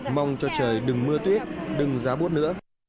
mong cho trời đừng mưa tuyết đừng giá bút nữa